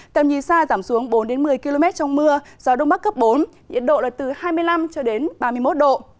tầm nhìn xa giảm xuống bốn một mươi km trong mưa gió đông bắc cấp bốn nhiệt độ là từ hai mươi năm cho đến ba mươi một độ